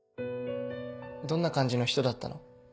どんな感じの人だったの？